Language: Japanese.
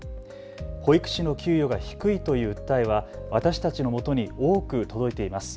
保育士の給与が低いという訴えは私たちのもとに多く届いています。